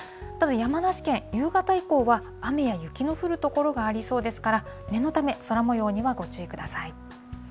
ただ、山梨県、夕方以降は雨や雪の降る所がありそうですから、念のため、空もようにはご注意ください。